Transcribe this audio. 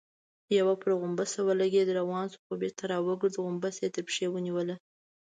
يو پر غومبسه ولګېد، روان شو، خو بېرته راوګرځېد، غومبسه يې تر پښې ونيوله.